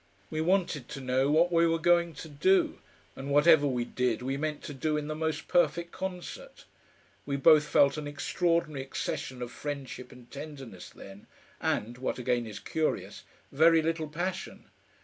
We wanted to know what we were going to do, and whatever we did we meant to do in the most perfect concert. We both felt an extraordinary accession of friendship and tenderness then, and, what again is curious, very little passion.